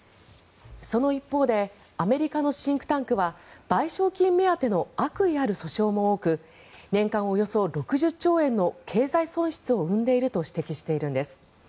その一方でアメリカのシンクタンクは賠償金目当ての悪意のある訴訟も多く年間およそ６０兆円の経済損失を生んでいると指摘しているんです。